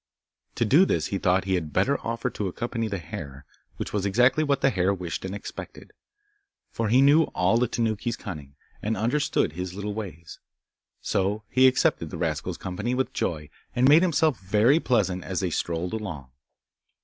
To do this he thought he had better offer to accompany the hare, which was exactly what the hare wished and expected, for he knew all the Tanuki's cunning, and understood his little ways. So he accepted the rascal's company with joy, and made himself very pleasant as they strolled along.